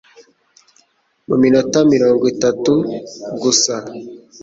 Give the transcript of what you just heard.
mu minota mirongo itatu gusa.